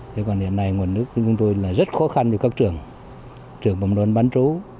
thế còn hiện nay nguồn nước của chúng tôi là rất khó khăn cho các trường trường phòng đoàn bán trú